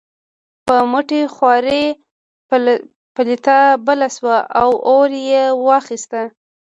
په مټې خوارۍ پلته بله شوه او اور یې واخیست.